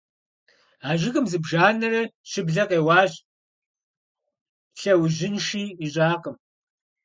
А жыгым зыбжанэрэ щыблэ къеуащ, лъэужьынши ищӀакъым.